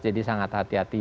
jadi sangat hati hati